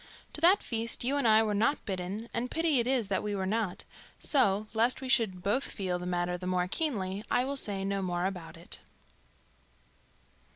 To that feast you and I were not bidden, and pity it is that we were not; so, lest we should both feel the matter the more keenly, I will say no more about it.